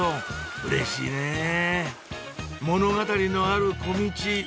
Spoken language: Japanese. うれしいね物語のある小ミチ